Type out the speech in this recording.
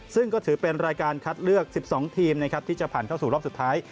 ซึ่งก็ถือเป็นรายการคัดเลือก๑๒ทีมนะครับที่จะผ่านเข้าสู่รอบสุดท้าย